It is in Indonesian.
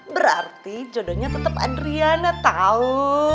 berarti jodohnya tetep adriana tau